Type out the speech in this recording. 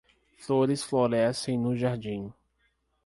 Flores florescem no jardim.